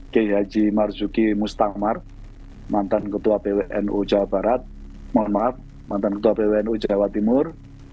kiai haji marzuki mustamar mantan ketua pwnu jawa timur